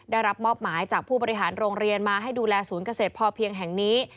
ได้รับมอบหมายจากผู้บริหารโรงเรียนมาให้ดูแลศูนย์เกษตรพอเพียงแห่งนี้